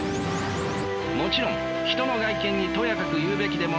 もちろん人の外見にとやかく言うべきでもないのである。